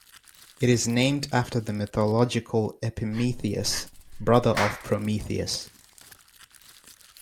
It is named after the mythological Epimetheus, brother of Prometheus.